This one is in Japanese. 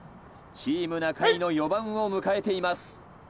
チーム中居の４番を迎えています。